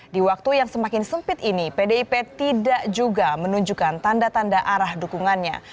di waktu yang semakin sempit ini pdip tidak juga menunjukkan tanda tanda arah dukungannya